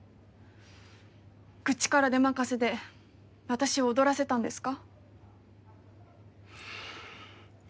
口から出任せで私を踊らせたんですか？